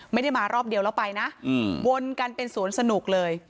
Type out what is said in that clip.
ไม่ได้มารอบเดียวแล้วไปนะวนกันเป็นสวนสนุกเลย